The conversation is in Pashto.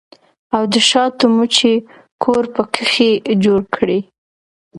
او د شاتو مچۍ کور پکښې جوړ کړي